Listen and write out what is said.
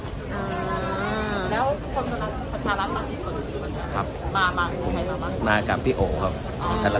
แล้วคนสำหรับประชารักษณ์บ้านที่สุดอยู่บ้างครับมากับใครมาบ้างครับ